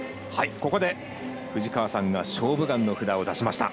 ここで藤川さんが「勝負眼」の札を出しました。